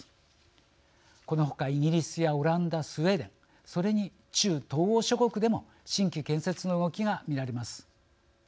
このほかイギリスやオランダスウェーデンそれに中東欧諸国でも新規建設の動きが見られます。